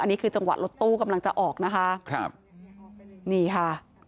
นี่คือจังหวะรถตู้กำลังจะออกนะคะครับนี่ค่ะ